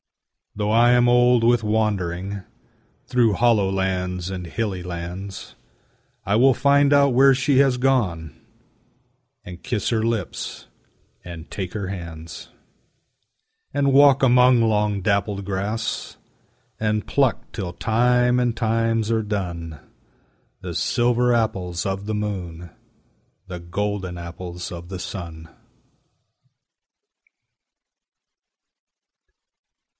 Though I am old with wandering Through hollow lands and hilly lands, I will find out where she has gone, And kiss her lips and take her hands; And walk among long dappled grass, And pluck till time and times are done The silver apples of the moon, The golden apples of the sun.